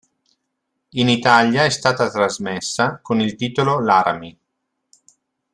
In Italia è stata trasmessa con il titolo "Laramie".